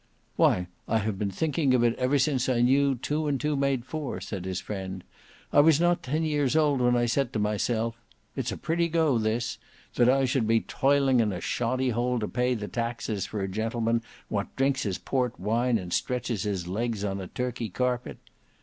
"Why I have been thinking of it ever since I knew two and two made four," said his friend. "I was not ten years old when I said to myself—It's a pretty go this, that I should be toiling in a shoddy hole to pay the taxes for a gentleman what drinks his port wine and stretches his legs on a Turkey carpet.